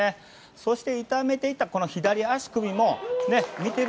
そして痛めていた左足首も見てる